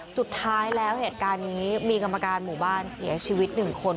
สุดท้ายแล้วเหตุการณ์นี้มีกรรมการหมู่บ้านเสียชีวิต๑คน